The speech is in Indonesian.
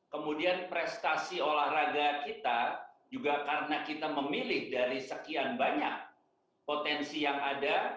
kemudian prestasi olahraga kita juga karena kita memilih dari sekian banyak potensi yang ada